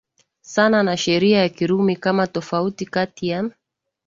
sana na sheria ya Kirumi kama tofauti kati ya